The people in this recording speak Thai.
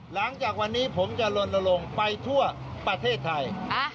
หลังจากวันนี้ผมจะลนลงไปทั่วประเทศไทย